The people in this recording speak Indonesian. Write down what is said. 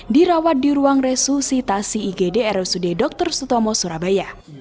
dirawat di ruang resusitasi igd rsud dr sutomo surabaya